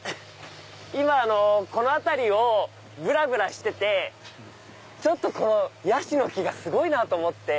今この辺りをぶらぶらしててこのヤシの木がすごいなと思って。